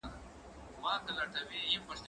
زه به سبا کښېناستل وکړم!؟